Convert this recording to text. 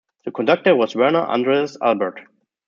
The conductor was Werner Andreas Albert.